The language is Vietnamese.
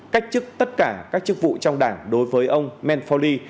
cách chức tất cả các chức vụ trong đảng đối với ông man foley